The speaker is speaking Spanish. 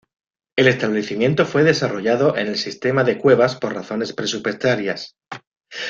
El establecimiento fue desarrollado en el sistema de cuevas por razones presupuestarias.